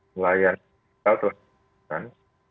melayani digital telah diperlukan